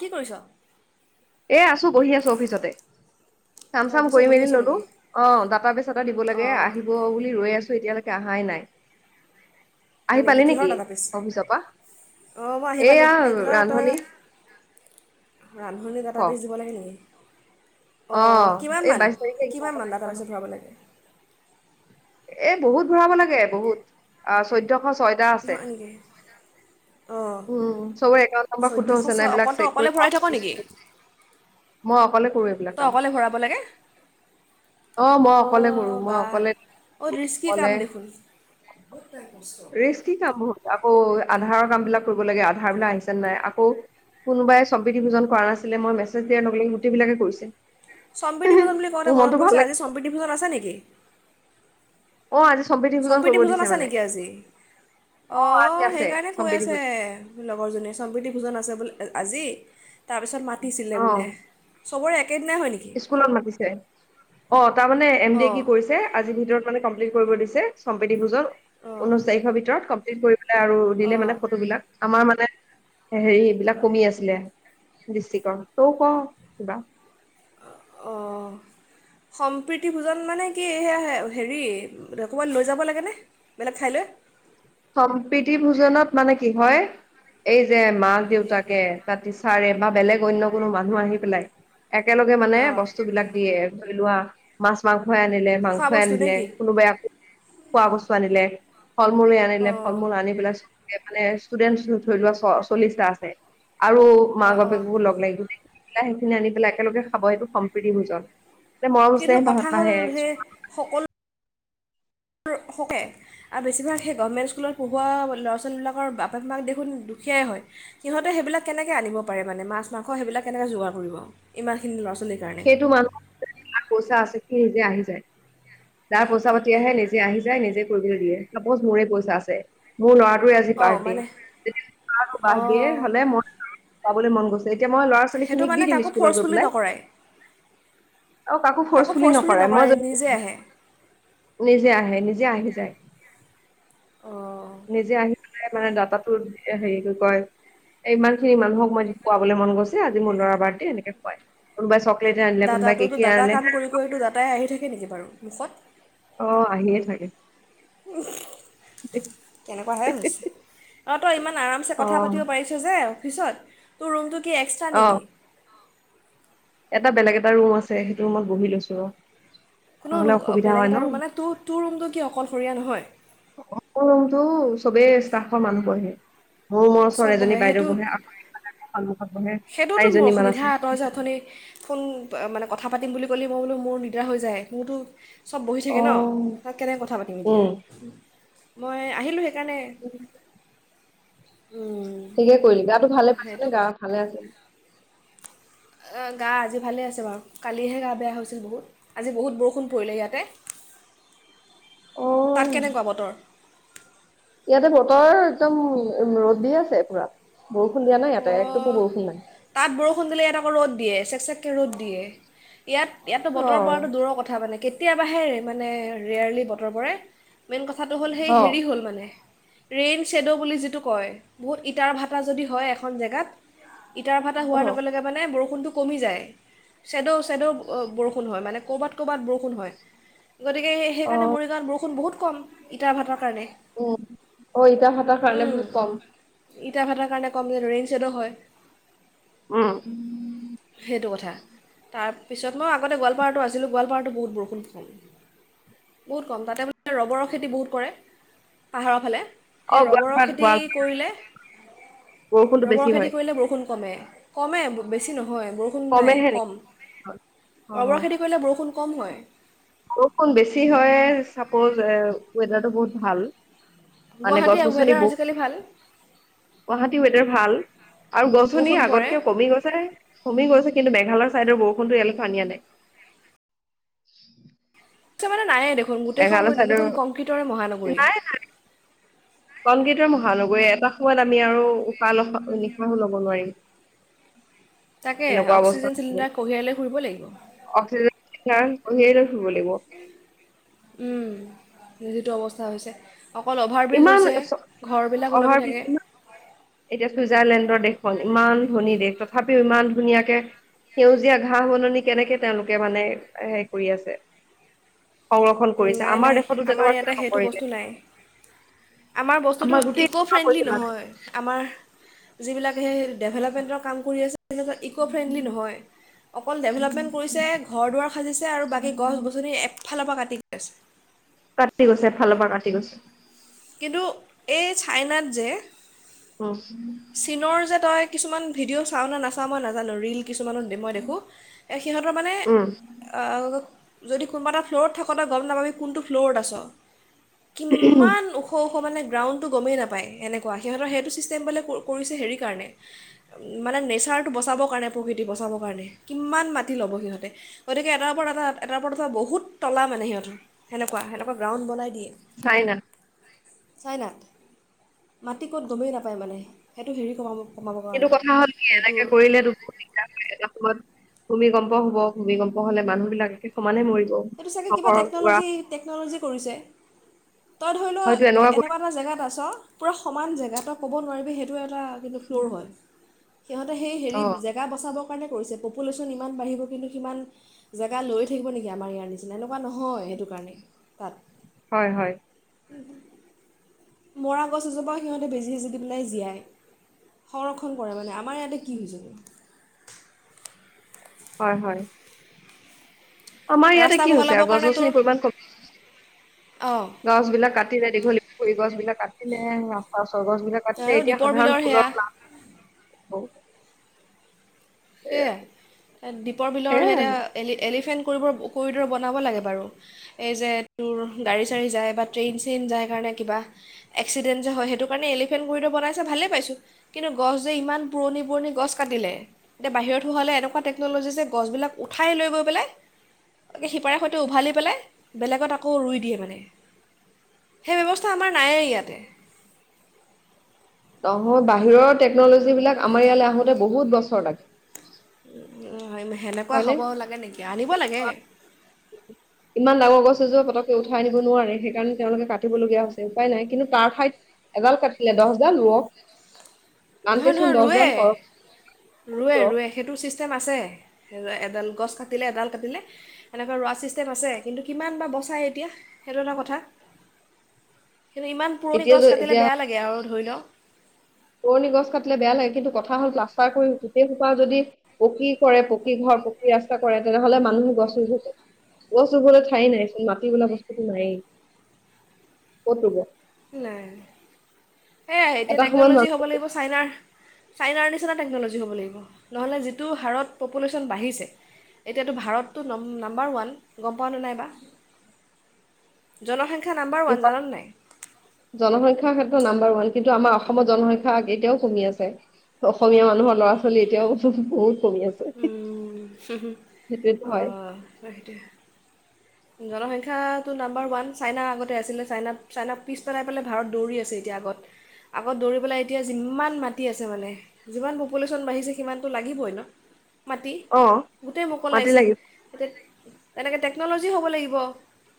কি কৰিছ? এ আছো বহি আছো অফিচতে কাম অঁ চাম অফিচত কৰি বহি মেলি আছ ললো। নেকি? অ, দাটা বেচ এটা দিব লাগে অঁ আহিব বুলি ৰৈ আছো এতিয়ালৈ আহাই নাই আহি হয় নেকি! পালি কিহৰ ডাটা বেচ? আহি পালে অফিচৰ নেকি? পৰা অ, মই আহি পালোঁ এয়া আহি পালোঁ অ-তই ৰান্ধনী ৰান্ধনী ক ডাটা বেছ দিব লাগে নেকি? অ', কিমান এই মান! বাইশ তাৰিখে কিবা কিমান মান এটা ডাটা বেছত ভৰাব লাগে? এ বহুত ভৰাব লাগে বহুত অ-চৈধ্য ছয়টা আছে, হয় নেকি? অঁ উম, ছবৰে একাওন্ট নম্মৰ শুদ্ধ চৈধ্যশ হৈছে নে নাই ছয় এইবিলাক অকল তই চেক অকলে ভৰাই থাক নেকি? কৰি মই অকলে কৰো এইবিলাক তই কাম অকলে ভৰাব লাগে? অ মই অকলে কৰো অ', মই বা অকলে অ, ৰিস্কি কাম অকলে দেখোন! ৰিস্কি কাম আকৌ আধাৰৰ কাম বিলাক কৰিব লাগে, আধাৰ বিলাক আহিছে নে নাই আকৌ কোনোবাই শব্দিভিজনকৰা নাছিলে, মই মেছেজ দিয়াৰ লগে লগে গোটই বিলাকে কৰিছে। সম্পিডিভিজন বুলি কওঁতে মোৰ মনত মনটো ভাল পৰিছে লাগে আজি সম্পিডিভিজন আছে নেকি? অ, আযি সম্পিডিভোজন আছে নেকি আজি? আজি অ', আছে সেইকাৰণে কৈ আছে সম্প্ৰীতিভোজন মোৰ লগৰজনী সম্পিডিভোজন আছে আ-আজি তাৰপিছত মাতিছিলে অ বোলে। চবৰে এক স্কুলত মাতিছে অ, তাৰ মানে এম ড এ কি অ' কৰিছে আজিৰ ভিতৰত মানে কমপ্লিট কৰিব দিছে সম্পিডি ভোজন অ' ঊনৈশ তাৰিখৰ ভিতৰত ক কৰি আৰু দিলে অ' মানে ফটো বিলাক আমাৰ মানে হেৰি এইবিলাক কমি আছিলে দৃষ্টিকৰ সৰু সৰু কিবা অঁ সম্প্ৰীতি ভোজন মানে কি সেয়া হেৰি অকবমান লৈ যাব লাগেনে বেলেগ ঠাইলৈ সম্প্ৰীতি ভোজনত মানে কি হয় এই যে মাক দেউতাকে বা তিচাৰে বা বেলেগ অনন্য কোনো মানুহ আহি পেলাই একেলগে মানে অ' বস্তু বিলাক দিয়ে লোৱা মাছ মাছ মাংই আনিলে খোৱা মাংসই বস্তু নে আনিলে কি? কোনোবাইো খোৱা বস্তু আনিলে ফল মূল আনে ফল অ' মল আনি পেলাই চ [unintelligible] মানে ষ্টুডেন্ট থৰি লোৱা চ চল্লিশটা আছে আৰু মা অ' অ' বাপেককো লগ লাগিব দে সা সেইখিনি আনি পেলাই একেলগে খাব সেইটো সম্প্ৰীতি ভজনল [unintelligible] মইজ কিন্তু কথা পাহত হ'ল পাহে [unintelligible] শকে আৰু বেছিভাগ সেই গভমেণ্ট স্কুলত পঢ়োৱা ল'ৰা ছোৱালীবিলাকৰ বাপেক মাক দেখোন দুখীয়াই হয় সিহঁতে সেইবিলাক কেনেকৈ আনিব পাৰে মানে মাছ মাংস সেইবিলাক কেনেকৈ যোগাৰ কৰিব ইমানখিনি ল'ৰা ছোৱাল [unintelligible] সেইটো মানুহৰ পইচা আছে নিজে আহি যায় যাৰ পইচা পাতি আহে নিজে আহি যায় নিজে কৰিবলৈ দিয়ে চাপ'জ মোৰে পইচা আছে মোৰ ল'ৰা [unintelligible] জি পাৰ অঁ মানে দিয়ে অঁ হলে মই পাবলৈ মন গৈছে এতিয়া মই ল'ৰা সেইটো ছোৱালীখিনিক মানে দিম কাকো স্কুলত গৈ ফ'ৰ্চফুলি পেলাই নকৰাই অ কাকো ফৰ্চফুলি নকই নকৰাই মই নিজে যদি আহে নিজে আহে নি যে আহি যায় অঁ নিজে আহি মানে দাদাহতো হেৰি কি কয় এ ইমান খিনি মানুহক মই খুৱাবলৈ মন গৈছে আজি মোৰ লৰা বাৰ্থডে এনেকে খুৱাই কোনোবাই চ [unintelligible] দাদাতটোো দা কাম কৰি কৰিতটো দাতাই আহি থাকে [unintelligible] সেই নেকি বাৰু মিছত অ আহিয়ে থাকে কেনেকুৱাহে হৈছে অ তই ইমান আৰামছে অ কথা পাতিব পাৰিছ যে [unintelligible] পিছত তোৰ ৰুমটোত কি এক্সট্ৰা অ নেকি এটা বেলেগ এটা ৰুম আছে সেইটো ৰুমত বহি লৈছো ৰ কোনো নহলে অসুবিধা বেলেগ হয় এটা ন ৰুম মানে তোৰ টোৰ ৰুমটো কি অকলশৰীয়া নহয় চবেই ষ্টাফৰ মানুহ পহে [unintelligible] মোৰ মোৰ চব ছোৱালী এজনী বহে বাইদে সেইটো বহে আকৌন্ [unintelligible] সেইটোতো মোৰ অসুবিধা তই যে অথনি ফোন কথা পাতিম বুলি ক'লে মই বোলো মোৰ মিটাৰ হৈ যায় মোৰতো চব বহি অ থাকে ন তাত কেনেকৈ কথা পাতিম এতিয়া উম, মই আহিলোহে একাৰণে ঠিকে কৰিলো গাতো অঁ ভালে পাইছ সেইটো নে কথা গাৱত ভালে আছিল [unintelligible] গা আজি ভালে আছে বাৰু কালিহে গা বেয়া হৈছিল বহুত আজি বহুত বৰষুণ পৰিলে ইয়াতে [unintelligible] তাত অ', কেনেকুৱা বতৰ? ইয়াতে বতৰ একদম ৰ'দ দি আছে পুৰা বৰষুণ দিয়া নাই ইয়াতে একটুপো অ', বৰষুণ নাই। তাত বৰষুণ দিলে ইয়াত আকৌ ৰদ দিয়ে ৰ'দ দিয়ে ইয়াত ইয়াতো বতৰ অ', পৰাটো দূৰৰ কথা মানে কেতিয়াবাহে মানে ৰেয়াৰলি বতৰ পৰে মেইন কথাটো হ'ল সেই অ', হেৰি হ'ল মানে ৰেইন শ্বেড' বুলি যিটো কয় বহুত ইটাৰ ভাটা যদি হয় এখন জেগাত ইটাৰ ভাটা হোৱাৰ অ', লগে লগে মানে বৰষুণটো কমি যায় শ্বেডো শ্বেডো বৰষুণ হয় মানে ক'ৰবাত ক'ৰবাত বৰষুণ হয়। গতিকে সেইকাৰনে অ', মৰিগাঁৱত বৰষুণ বহুত কম ইটা ভাটাৰ কাৰণে উম অ ইটা ভাটাৰ কাৰণে উম, বহুত কম ইটা ভাতাৰ কাৰণে কম যে ৰেইন ছেদো হয় উম সেইটো কথা। তাৰপিছত মই আগতে গোৱালপাৰাটো আছিলোঁ গোৱালপাৰাটো বহুত বৰষুণ ক'ম। বহুত কম তাতে মানে ৰবৰৰ খেতি বহুত কৰে পাহাৰৰ ফালে সেই অ', ৰবৰ গোৱালপাৰাত খেতি গোৱালপাৰাত কৰিলে বৰষুণটো ৰবৰ বেছি খেতি হয়। কৰিলে বৰষুণ কমে কমে বেছি নহ হয় বৰষুণ নাই কমেহে নেকি? কম ৰবৰ অ'। খেতি কৰিলে বৰষুণ কম হয় বৰষুণ বেছি হয় চাপজ ৱেডাৰটো বহুত ভাল মানে গছ গুৱাহাটীৰ গছনি ৱেডাৰ আজিকালি ভাল বহুত গুৱাহাটী ৱেডাৰ ভাল আৰু গছনি বৰষুণ পৰে আগতকে কমি গৈছে কমি গৈছে কিন্তু মেঘালয়ৰ ছাইদৰ বৰষুণতো অলপ পানিয়া নাই নায়ে। খন গোটেইখন চাইডৰ দেখোন কংক্ৰটৰে মহানগৰী মহানগৰ এটা সময়ত আমি আৰু উশাহ নিশাহো লব নোৱাৰিম তাকে তেনেকুৱা অৱস্থা অক্সিজেন হ'ব। চিলিণ্ডাৰ কঢ়িয়াই লৈ ফুৰিব লাগিব। অ হ দিব লাগিব উম যিটো অৱস্থা হৈছে। অকল অভাৰ ব্ৰিজ ইমান হৈছে ঘৰবিলাক অভাৰ ওলমি ব্ৰিজ থাকে ইমান এতিয়া চুইজাৰলেণ্ডৰ দেশখন ইমান ধনী দেশ তথাপিও ইমান ধুনীয়াকে সেউজীয়া ঘাঁহ বননি কেনেকে তেওঁলোকে মানে হে কৰি আছে সংৰক্ষণ কৰিছে নাই আমাৰ নাই দেশতো আমাৰ তেনেকুৱা কিয় ইয়াতে সেইটো নকৰিলে বস্তু নাই আমাৰ বস্তুটো গোটেই ইক' চাফা কৰি ফ্ৰেণ্ডলি পেলালে নহয় আমাৰ যিবিলাক সেই ডেভেলপমেণ্টৰ কাম কৰি আছে। তেনেকুৱা ইক' ফ্ৰেণ্ডলি নহয়। অকল ডেভেলপমেণ্ট কৰিছে ঘৰ দুৱাৰ সাজিছে। আৰু বাকী গছ গছনি ফালৰ পৰা কাটি ছে। কাটি গৈছে এফালৰ পৰা কাটি গৈছে। কিন্তু এই চাইনাত যে উম চীনৰ যে তই কিছুমান ভিডিঅ' তই চাওঁ নাচাও মই নাজানো ৰিল কিছুমানত মই দেখোঁ সিহঁতৰ মানে উম যদি কোনোবা এটা ফ্ল'ৰত থাকোঁতে গম নাপাবি কোনটো ফ্ল'ৰত আছ। কিমান ওখ মানে গ্ৰাউণ্ডটো গমেই নাপায় এনেকুৱা সিহঁতৰ সেইটো ছিষ্টেম বোলে কৰিছে হেৰি কাৰণে মানে নেচাৰটো বচাবৰ কাৰণে প্ৰকৃতি বচাবৰ কাৰণে কিমান মাটি ল'ব সিহঁতে গতিকে এটাৰ ওপৰত এটা এটাৰ ওপৰত এটা বহুত তলা মানে সিহঁতৰ সেনেকুৱা সেনেকুৱা গ্ৰাউণ্ড বনাই দিয়ে। চাইনা চাইনাত মাটি ক'ত গমেই নাপায় মানে সেইটো হেৰি কমা মোক কিন্তু কথা হ'ল কি এনেকে কৰিলে এটা সময়ত ভূমিকম্প হব ভূমিকম্প হলে মানুহবিলাক একে সমানে মৰিব। এইটো চাগে কিবা নগৰৰ পৰা টেকন'লজি টেকন'লজি কৰিছে তই ধৰি লও হয়তো কৰি এনেকুৱা এটা জেগাত আছ। পুৰা সমান জেগা ত কব নোৱাৰিবি সেইটো কিন্তু ফ্ল'ৰ হয়। সিহঁতে সেই হেৰি অ জেগা বচাব। কাৰণে কৰিছে পপুলেশ্যন ইমান বাঢ়িব কিন্তু সিমান জেগা লৈ থাকিব নেকি আমাৰ ইয়াত নি কোৱা নহয় সেইটো কাৰণে। পাত হয় হয়। মৰা গছ এজোপাও সিহঁতে বেজি সিজি পেলাই জীয়াই সংৰক্ষণ কৰে মানে। আমাৰ ইয়াতে কি হৈছে? হয় হয়। আমাৰ ইয়াতে ৰাস্তা কি হৈছে বহলাবৰ আৰু গছ কাৰণে তোৰ গছনি পৰিমাণ কমি অঁ গছ বিলাক কাটি যায় দীঘলিপুখুৰী গছ বিলাক কাতিলেহে ৰাস্তাৰ গছ বিলাক কাটছে আৰু এতিয়া দীপৰ সাধাৰণ বিলৰ সেয়া ফুলৰ নাম অ সেয়াই দ্বীপৰ বিলৰ সেয়াই সেইতা আৰু এল এলিফেণ্ট কৰিব কৰি দৰ বনাব লাগে বাৰু এই যে তোৰ গাড়ী চাড়ী যায়। বা টেইন চেইন যায় কাৰণে কিবা এক্সিডেণ্ট যে হয় সেইটো কাৰণে এলিফেণ্ট গুৰিটো বনাইছে ভালেই পাইছোঁ। কিন্তু গছ যে ইমান পুৰণি পুৰণি গছ কাটিলে, এতিয়া বাহিৰত হোৱা হ'লে এনেকুৱা টেকন'লজি যে গছবিলাক উঠাই লৈ গৈ পেলাই শিপাৰে সৈতে উভালি পেলাই বেলেগত আকৌ ৰুই দিয়ে মানে সেই ব্যৱস্থা আমাৰ নায়েই ইয়াতে নহয় বাহিৰৰ টেকনলজী বিলাক আমাৰ ইয়ালৈ আহোতে বহুত বছৰ লাগে। উ উ হয় মই হয়নে ইমান ডাঙৰ গছ এজোপা। কৈ উঠাই আনিব নোৱাৰে সেইকাৰণে তেওঁলোকে কাটিবলগীয়া হৈছে উপায় নাই। কিন্তু তাৰ ঠাইত এডাল কাটিলে দহডাল ৰোৱক নহয় নহয় ৰুৱে। বহুত ৰুৱে, কৰক ৰুৱে সেইটো ছিষ্টেম আছে। এডাল গছ কাটিলে এডাল কাটিলে এনেকুৱা ৰোৱা ছিষ্টেম আছে কিন্তু কিমান বা বচাই এতিয়া সেইটো এটা কথা। কিন্তু ইমান পুৰণি এতিয়া গছ য কাটিলে এতিয়া বেয়া লাগে আৰু। ধৰি লওক পুৰণি গছ কাটিলে বেয়া লাগে, কিন্তু কথা হ'ল প্লাষ্টাৰ কৰি গোটেই সোপা যদি পকী কৰে পকী ঘৰ পকী ৰাস্তা কৰে তেনেহলে মানুহ গছ ৰুব ক'ত? গছ ৰুবলৈ ঠাই নাইচোন মাটি বোলা বস্তুটো নায়েই। ক'ত ৰুব? নাই। সেয়া এতিয়া এটা সময়ত টেকনলজি হ'ব মানুহ লাগিব চাইনাৰ। চাইনাৰ নিচিনা টেকন'লজি হ'ব লাগিব। নহ'লে যিটো হাৰত পপুলেশ্যন বাঢ়িছে, এতিয়াতো ভাৰতটো নাম্বাৰ ওৱান গম পাও নে নাই। জনসংখ- জনসংখ্যা নাম্বাৰ ওৱান জানানে নাই? জনসংখ্যাৰ ক্ষেত্ৰত নাম্বাৰ ওৱান। কিন্তু আমাৰ অসমত জনসংখ্যা এতিয়াও কমি আছে অসমীয়া মানুহৰ ল'ৰা ছোৱালী এতিয়াও বহুত। কমি আছে উম সেইটোৱেতো আ হয়। সেইটোৱে টো নাম্বাৰ ওৱান চাইনা আগতে আছিলে চাইনাত চাইনাক পিছ পেলাই পেলাই ভাৰত দৌৰি আছে এতিয়া আগত। আগত দৌৰি পেলাই এতিয়া যিমান মাটি আছে মানে যিমান পপুলেশ্যন বাঢ়িছে সিমানতটো লাগিবই ন। মাটি অ গোটেই মাটি মোকলাইছে লাগিব এতিয়া তেনেকে টেকনলজ জি হ'ব লাগিব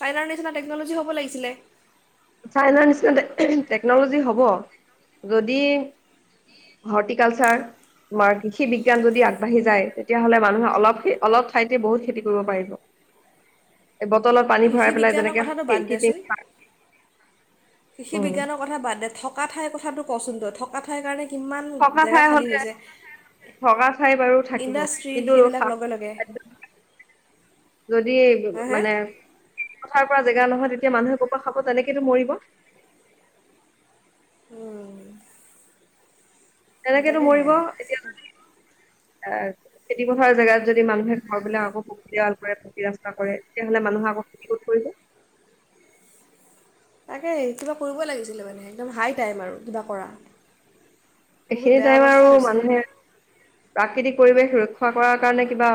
চাইনাৰ নিচিনা টেকনলজি হ'ব লাগিছিলে। চাইনাৰ নিচিনা টেকনলজি হ'ব। যদি? হৰ্টিকালচাৰ, তোমাৰ কৃষি বিজ্ঞান যদি আগবাঢ়ি যায়, তেতিয়াহ'লে মানুহে অলপ অলপ ঠাইতে বহুত খেতি কৰিব পাৰিব। এই বটলত পানী ভৰাই কৃষি পেলাই বিজ্ঞানৰ কথাটো বাদ যেনেকে দেচোন, কৃষি উম বিজ্ঞানৰ কথা বাদ দে, থকা ঠাইৰ কথাটো পচন্দ থকা ঠাই কাৰণে কিমান থকা, জেগা ঠাই খালী হলে হৈছে থকা ঠাই বাৰু থাকিব। ইণ্ডাষ্ট্ৰী কিন্তু সেইবিলাক লগে লগে খাদ্য যদি হা হা মানে? পথাৰ পৰা জেগা নহয়, তেতিয়া মানুহে ক'ৰ পৰা খাব তেনেকেতো মৰিব। অ। তেনেকেতো মৰিব এতিয়া যদি। এ, খেতি পথাৰ জেগাত যদি মানুহে ঘৰবিলাক আকৌ পকী দেৱাল কৰে, পকী ৰাস্তা কৰে, তেতিয়াহলে মানুহে আকৌ খেতি ক'ত কৰিব। তাকে কিবা কৰিবই লাগিছিলে মানে, একদম হাই টাইম আৰু কিবা কৰা। বহুত এইখিনি বেয়া টাইম অৱস্থা আৰু হৈছে মানুহে প্ৰাকৃতিক পৰিৱেশ ৰক্ষা কৰাৰ কাৰণে কিবা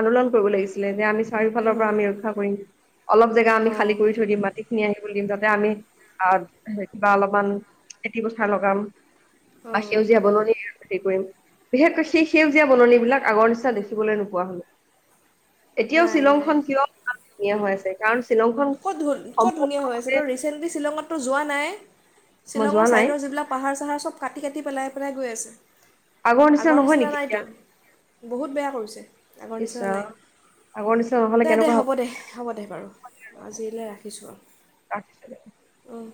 আন্দোলন কৰিব লাগিছিলে। যে আমি? চাৰিওফালৰ পৰা উম, আমি ৰক্ষা কৰিম। অলপ জেগা আমি অঁ খালি কৰি থৈ দিম মাটি। খিনি আহিব দিম, যাতে আমি আহ, কিবা অলপমান খেতি পথাৰ লগাম। বা অঁ সেউজীয়া বননি আৰু কৰিম। বিশেষকৈ সেই সেউজীয়া বননি বিলাক আগৰ নিচিনা দেখিবলৈ নোপোৱা হলো। এতিয়াও নাই শ্বিলং নাই খন, কিয়? নিয়ম হৈ আছে। কাৰণ শ্বিলংখন ক'ত ধু ক'ত ধুনীয়া হৈ আছে সম্পূৰ্ণভাৱে তই ৰিচেন্টলি শ্বিলংতো যোৱা নাই। মই যোৱা শ্বিলংৰ নাই ছাইডৰ যিবিলাক পাহাৰ চাহাৰ চব চব কাটি-কাটি পেলাই, পেলাই গৈ আছে। আগৰ নিচিনা নহয় নেকি, এতিয়া। বহুত বেয়া কৰিছে। আগৰ ইচ নিচিনা নাই ৰাম আগৰ নিচিনা নহ'লে দে, দে কেনেকুৱা হ'ব দে হ'ব দে বাৰু। আজিলৈ ৰাখিছোঁ, হ'ব আৰু অঁ।